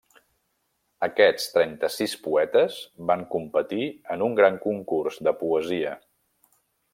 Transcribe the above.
Aquests trenta-sis poetes van competir en un gran concurs de poesia.